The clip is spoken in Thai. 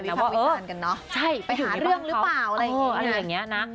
วิจารณ์กันเนอะใช่ไปหาเรื่องหรือเปล่าอะไรอย่างนี้นะ